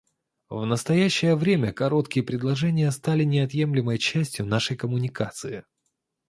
В настоящее время короткие предложения стали неотъемлемой частью нашей коммуникации.